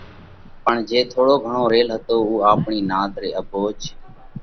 پڻ جي ٿوڙو گھڻو ريل هتو اُو آپڻِي نات را اڀوج